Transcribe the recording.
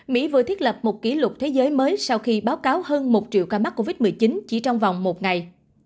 mỹ vừa thiết lập một kỷ lục thế giới mới sau khi báo cáo hơn một triệu ca mắc covid một mươi chín chỉ trong vòng một ngày